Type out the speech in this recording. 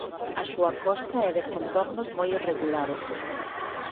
A súa costa é de contornos moi irregulares.